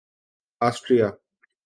Austria